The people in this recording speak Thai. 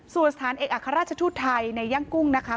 ส่วนสถานเอกอัครราชทูตไทยในย่างกุ้งนะคะ